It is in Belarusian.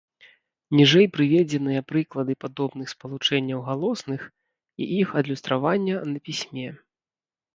Ніжэй прыведзеныя прыклады падобных спалучэнняў галосных і іх адлюстравання на пісьме.